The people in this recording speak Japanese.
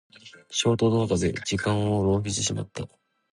ショート動画で時間を浪費してしまった。